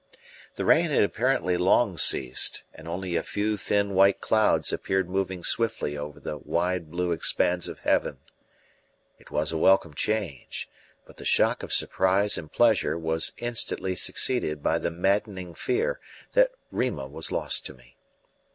The rain had apparently long ceased, and only a few thin white clouds appeared moving swiftly over the wide blue expanse of heaven. It was a welcome change, but the shock of surprise and pleasure was instantly succeeded by the maddening fear that Rima was lost to me.